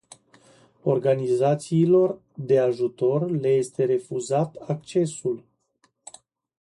Organizațiilor de ajutor le este refuzat accesul.